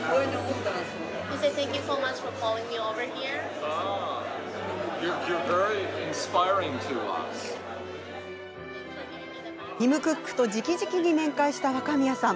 ティム・クックとじきじきに面会した若宮さん。